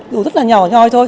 dù rất là nhỏ nhoi thôi